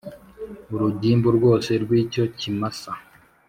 urugimbu rwose rw icyo kimasa